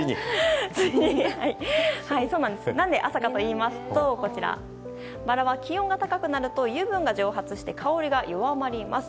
なぜ朝かといいますとバラは気温が高くなると油分が蒸発して香りが弱まります。